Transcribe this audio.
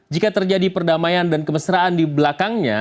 jika terjadi perdamaian dan kemesraan di belakangnya